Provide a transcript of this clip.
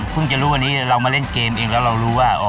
จะรู้วันนี้เรามาเล่นเกมเองแล้วเรารู้ว่า